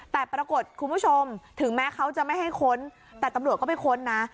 แต่ปรากฏคุณผู้ชมถึงแม้เขาจะไม่ให้ค้นแต่ตำรวจก็ไปค้นนะ